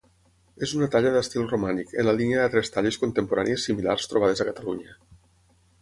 És una talla d'estil romànic, en la línia d'altres talles contemporànies similars trobades a Catalunya.